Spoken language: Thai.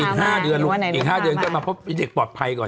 อีกห้าเดือนก็มาเพื่อให้เด็กปลอดภัยก่อน